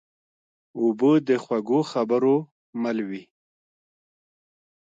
اوبه د خوږو خبرو مل وي.